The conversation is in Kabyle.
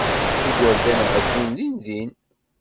Igerdan ɛeyyun dindin.